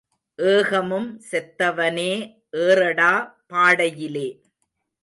ஏகமும் செத்தவனே ஏறடா பாடையிலே.